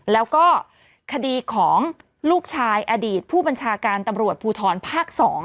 แล้วก็คดีของลูกชายอดีตผู้บัญชาการตำรวจภูทรภาค๒